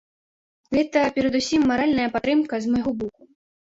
Гэта перадусім маральная падтрымка з майго боку.